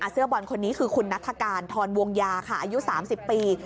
เสื้อบอลคนนี้คือคุณนัฐกาลทรวงยาค่ะอายุ๓๐ปี